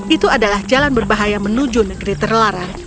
itu adalah jalan berbahaya menuju negeri terlarang